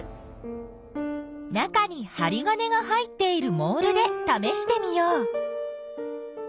中にはり金が入っているモールでためしてみよう。